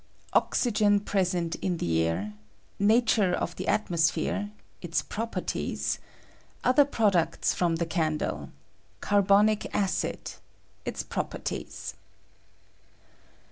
OXTGEN PKESENT m THE AIR. — NATnEE OF THE ATMOSPHERE. — ITS PROPERTIES.^ — OTH ER PRODUCTS FROM THE CAiTDLE. — CARBON IC ACID. — ITS PROPERTIES.